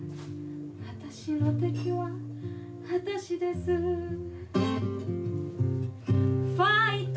私の敵は私ですファイト！